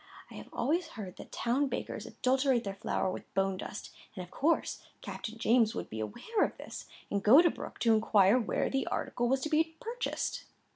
I have always heard that town bakers adulterate their flour with bone dust; and, of course, Captain James would be aware of this, and go to Brooke to inquire where the article was to be purchased."